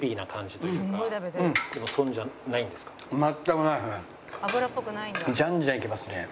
じゃんじゃんいけますね。